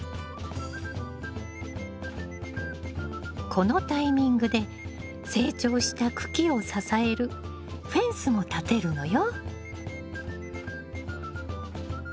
このタイミングで成長した茎を支えるフェンスも立てるのよ。